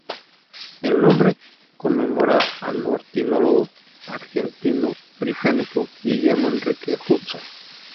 El nombre conmemora al ornitólogo argentino-británico Guillermo Enrique Hudson.